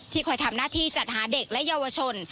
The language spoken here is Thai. คอยทำหน้าที่จัดหาเด็กและเยาวชน